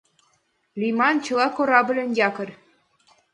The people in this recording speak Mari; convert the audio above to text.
Лийман чыла корабльын якорь.